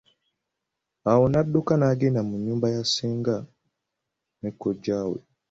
Awo nadduka n'agenda mu nyumba ya Senga ne Kojja we.